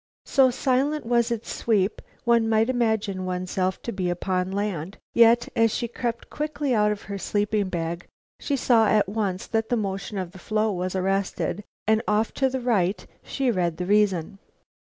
So silent was its sweep, one might imagine oneself to be upon land; yet, as she crept quickly out of her sleeping bag, she saw at once that the motion of the floe was arrested and off to the right she read the reason.